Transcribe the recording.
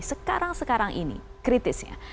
sekarang sekarang ini kritisnya